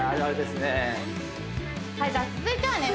はいじゃ続いてはね